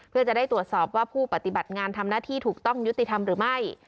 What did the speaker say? เพื่อจะได้ตรวจสอบว่าผู้ปฏิบัติงานทำหน้าที่ถูกต้องยุติธรรมหรือไม่